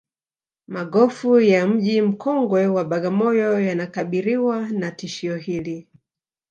magofu ya mji mkongwe wa bagamoyo yanakabiriwa na tishio hili